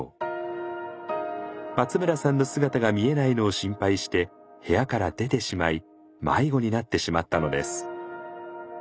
松村さんの姿が見えないのを心配して部屋から出てしまい迷子になってしまったのです。